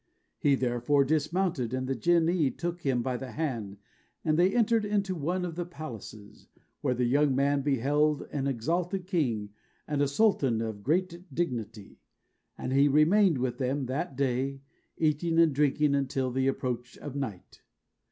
He therefore dismounted, and the Jinnee took him by the hand, and they entered one of the palaces, where the young man beheld an exalted king and a sultan of great dignity, and he remained with them that day, eating and drinking, until the approach of night.